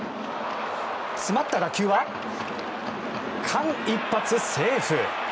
詰まった打球は、間一髪セーフ。